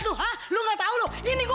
kurang asem aduh